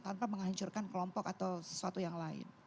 tanpa menghancurkan kelompok atau sesuatu yang lain